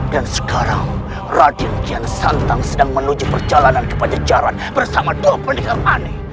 dan sekarang raden kiansantak sedang menuju perjalanan kepada jaran bersama dua pendekat aneh